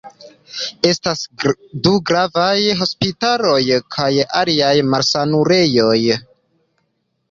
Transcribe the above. Estas du gravaj hospitaloj kaj aliaj malsanulejoj.